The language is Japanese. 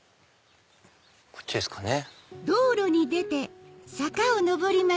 こっちですかね。